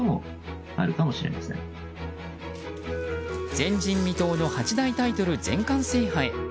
前人未到の八大タイトル全冠制覇へ。